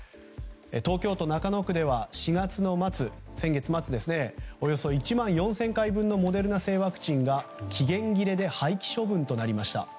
東京都中野区では４月末、先月末におよそ１万４０００回分のモデルナ製ワクチンが期限切れで廃棄処分となりました。